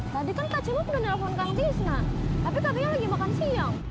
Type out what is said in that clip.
tadi kan kak cimok udah nelfon kang tisna tapi katanya lagi makan siang